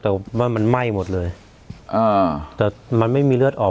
แต่ว่ามันไหม้หมดเลยอ่าแต่มันไม่มีเลือดออก